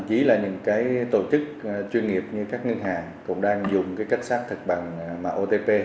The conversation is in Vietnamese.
chỉ là những tổ chức chuyên nghiệp như các ngân hàng cũng đang dùng cách xác thực bằng mã otp